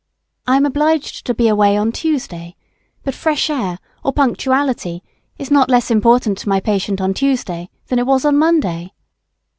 I am obliged to be away on Tuesday. But fresh air, or punctuality is not less important to my patient on Tuesday than it was on Monday.